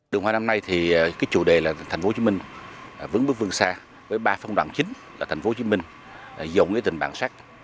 đường hoa năm nay thì cái chủ đề là thành phố hồ chí minh vững bước vương xa với ba phong đoạn chính là thành phố hồ chí minh dùng cái tình bản sắc